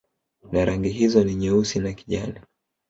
Na rangi hizo ni Nyeusi na kijani